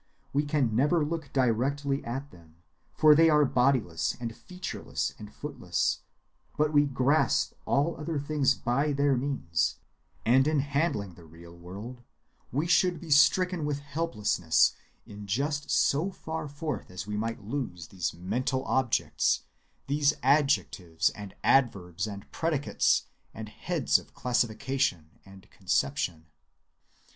We can never look directly at them, for they are bodiless and featureless and footless, but we grasp all other things by their means, and in handling the real world we should be stricken with helplessness in just so far forth as we might lose these mental objects, these adjectives and adverbs and predicates and heads of classification and conception.